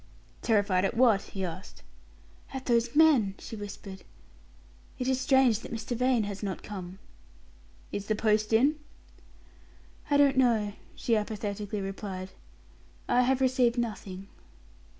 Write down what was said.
"Terrified at what?" he asked. "At those men," she whispered. "It is strange that Mr. Vane has not come." "Is the post in?" "I don't know," she apathetically replied. "I have received nothing."